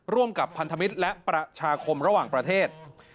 ร่วมกับพันธมิตรและประชาคมระหว่างประเทศ